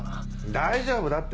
大丈夫だって！